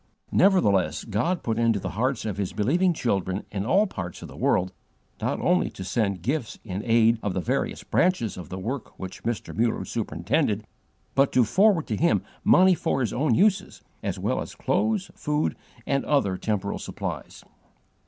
Nevertheless God put into the hearts of His believing children in all parts of the world, not only to send gifts in aid of the various branches of the work which Mr. Muller superintended, but to forward to him money for his own uses, as well as clothes, food, and other temporal supplies.